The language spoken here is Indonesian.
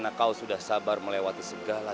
maka allah akan membantu kita